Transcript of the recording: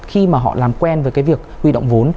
khi mà họ làm quen với cái việc huy động vốn